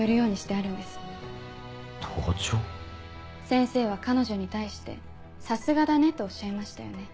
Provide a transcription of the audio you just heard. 先生は彼女に対して「さすがだね」とおっしゃいましたよね？